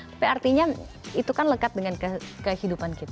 tapi artinya itu kan lekat dengan kehidupan kita